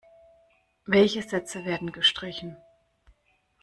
Welche Sätze werden gestrichen?